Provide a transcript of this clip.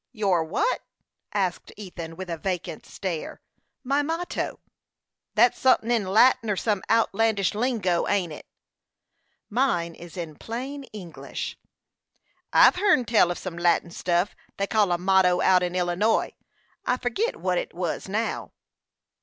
"Your what?" asked Ethan, with a vacant stare. "My motto." "That's sunthin' in Latin, or some outlandish lingo ain't it?" "Mine is in plain English." "I've hearn tell of some Latin stuff they called a motto out in Illinois; I forgit what it was now."